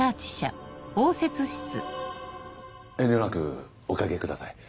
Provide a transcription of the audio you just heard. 遠慮なくお掛けください。